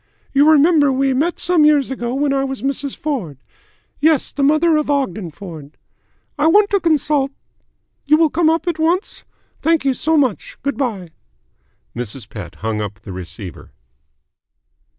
You remember we met some years ago when I was Mrs. Ford. Yes, the mother of Ogden Ford. I want to consult You will come up at once? Thank you so much. Good bye." Mrs. Pett hung up the receiver.